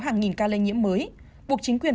hàng nghìn ca lây nhiễm mới buộc chính quyền